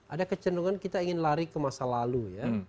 ada kecenderungan kita ingin lari ke masa lalu ya